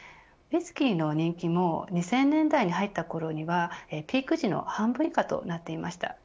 ウイスキーの人気も２０００年代に入ったころにはピーク時の半分以下となっていました。